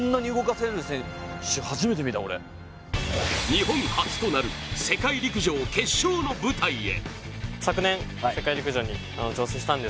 日本初となる世界陸上決勝の舞台へ。